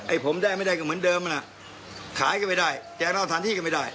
ผมได้ไม่ได้ก็เหมือนเดิมนะขายก็ไม่ได้แจกนอกสถานที่ก็ไม่ได้